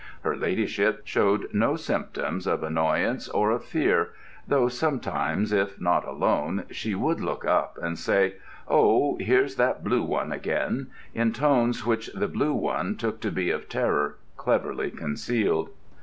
Her Ladyship showed no symptoms of annoyance or of fear, though sometimes, if not alone, she would look up and say, "Oh, here's that blue one again," in tones which the blue one took to be of terror cleverly concealed.